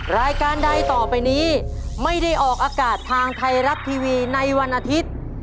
รายการใดต่อไปนี้ไม่ได้ออกอากาศทางไทยรัฐทีวีในวันอาทิตย์